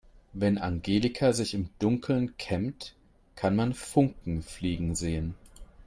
Wenn Angelika sich im Dunkeln kämmt, kann man Funken fliegen sehen.